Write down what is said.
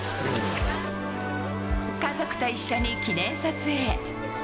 家族と一緒に記念撮影。